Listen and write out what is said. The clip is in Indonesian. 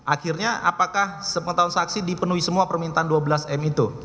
akhirnya apakah sepengetahuan saksi dipenuhi semua permintaan dua belas m itu